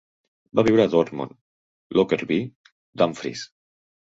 Va viure a Dormont, Lockerbie, Dumfries.